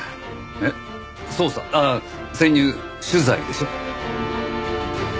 ああ潜入取材でしょ？